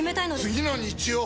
次の日曜！